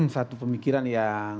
satu pemikiran yang